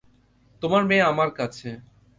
তোমার মেয়ে আমার কাছে।